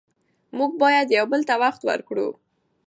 موږ باید یو بل ته وخت ورکړو